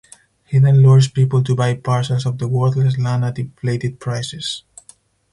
He then lures people to buy parcels of the worthless land at inflated prices.